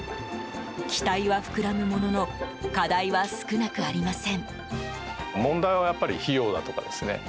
期待は膨らむものの課題は少なくありません。